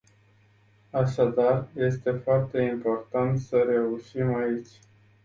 Așadar este foarte important să reușim aici.